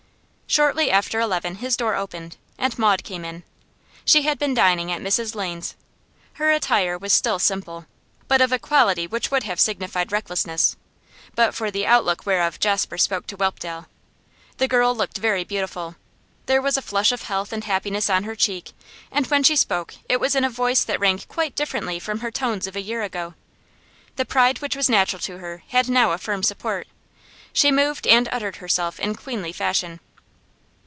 Shortly after eleven his door opened, and Maud came in. She had been dining at Mrs Lane's. Her attire was still simple, but of quality which would have signified recklessness, but for the outlook whereof Jasper spoke to Whelpdale. The girl looked very beautiful. There was a flush of health and happiness on her cheek, and when she spoke it was in a voice that rang quite differently from her tones of a year ago; the pride which was natural to her had now a firm support; she moved and uttered herself in queenly fashion.